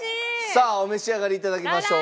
さあお召し上がり頂きましょう。